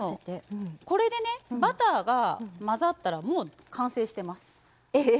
これでバターが混ざったら、もう完成しています。